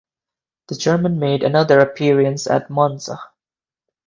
The German made another appearance at Monza.